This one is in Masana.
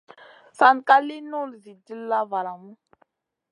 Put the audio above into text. San ka lì nul Zi dilla valamu.